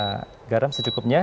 nah garam secukupnya